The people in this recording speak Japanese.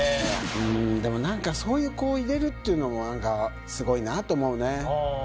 うんでも何かそういう子を入れるっていうのも何かすごいなと思うね。